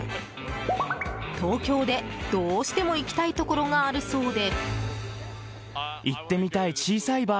東京で、どうしても行きたいところがあるそうで。